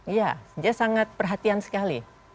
iya dia sangat perhatian sekali